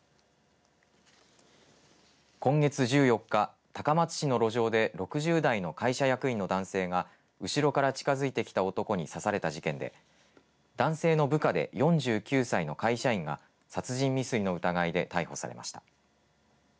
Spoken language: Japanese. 今月１４日高松市の路上で６０代の会社役員の男性が後ろから近づいてきた男に刺された事件で男性の部下で４９歳の会社員が殺人未遂の疑いで逮捕されました。